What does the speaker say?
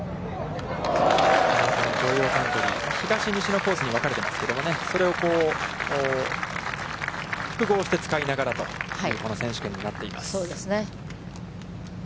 城陽カントリー、東西のコースに分かれていますけれども、それを複合して使いながらというこの選手権になっています。